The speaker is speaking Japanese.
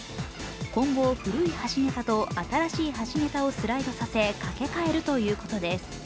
今後、古い橋桁と新しい橋桁をスライドさせ、架け替えるということです。